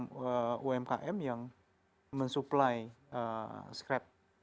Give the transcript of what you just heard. dan perusahaan umkm yang mensupply scrap